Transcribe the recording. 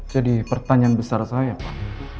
jadi pertanyaan besar saya pak